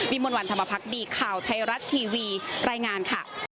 มวลวันธรรมพักดีข่าวไทยรัฐทีวีรายงานค่ะ